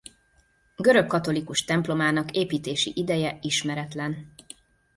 Görög katholikus templomának építési ideje ismeretlen.